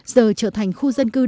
giờ trở thành khu dân cư đông xuân